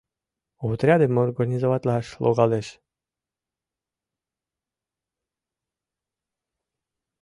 Отрядым организоватлаш логалеш.